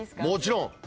もちろん。